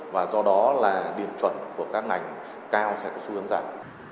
và do đó là điểm chuẩn của các ngành cao sẽ có số đáng giảm